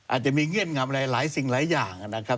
อาจจะมีเงื่อนงำหลายสิ่งหลายอย่างนะครับ